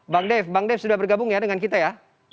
bang dev bang dev sudah bergabung ya dengan kita ya